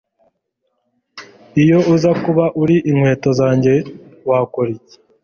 Iyo uza kuba uri inkweto zanjye wakora iki